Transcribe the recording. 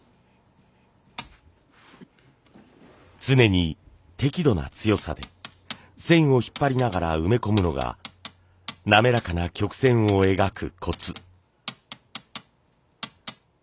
常に適度な強さで線を引っ張りながら埋め込むのが滑らかな曲線を描くコツ。